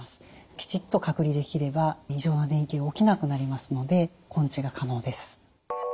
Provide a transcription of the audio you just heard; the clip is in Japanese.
きちっと隔離できれば異常な電気が起きなくなりますので根治が可能です。